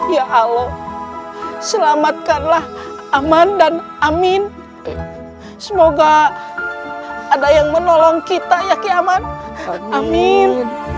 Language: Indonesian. ya allah selamatkanlah aman dan amin semoga ada yang menolong kita yakin aman amin